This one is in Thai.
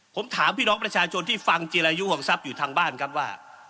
ผมถามพี่น้องประชาชนที่ฟังจิรายุของทรัพย์อยู่ทางบ้านครับว่า